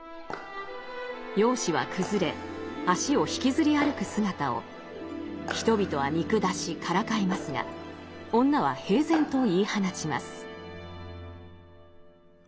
容姿は崩れ足を引きずり歩く姿を人々は見下しからかいますが女は平然と言い放ちます。